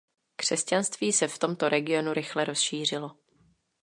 Křesťanství se v tomto regionu rychle rozšířilo.